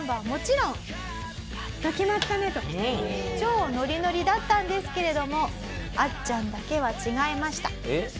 もちろん「やっと決まったね！」と超ノリノリだったんですけれどもあっちゃんだけは違いました。